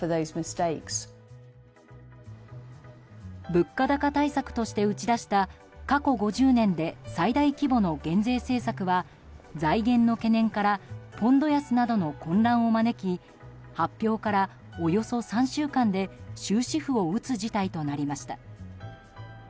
物価高対策として打ち出した過去５０年で最大規模の減税政策は財源の懸念からポンド安などの混乱を招き発表から、およそ３週間で終止符を打つ事態となりました。